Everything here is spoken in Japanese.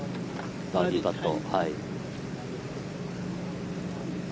バーディーパット。